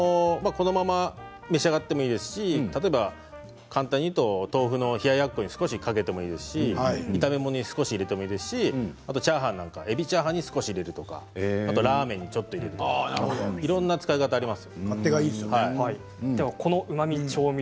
このまま召し上がってもいいですし簡単に言うとお豆腐の冷やっこに少しだけでもいいですし、炒め物に少し入れてもいいですしチャーハンに少し入れるとかラーメンにちょっと入れるとかいろんな使い方があります。